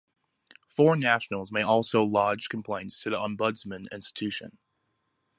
Foreign nationals may also lodge complaints to the Ombudsman Institution.